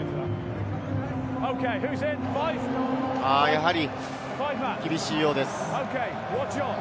やはり厳しいようです。